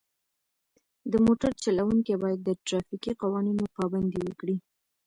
د موټر چلوونکي باید د ترافیکي قوانینو پابندي وکړي.